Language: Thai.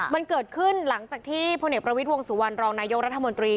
มันเกิดขึ้นหลังจากที่พลเอกประวิทย์วงสุวรรณรองนายกรัฐมนตรี